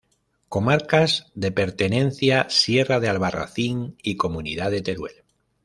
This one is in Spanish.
Comarcas de pertenencia: Sierra de Albarracín y Comunidad de Teruel.